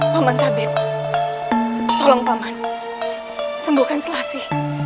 paman tabib tolong paman sembuhkan selasih